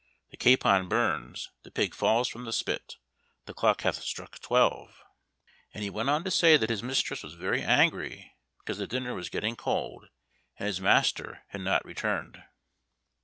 "The capon burns, the pig falls from the spit, the clock hath struck twelve " And he went on to say that his mistress was very angry because the dinner was getting cold, and his master had not returned.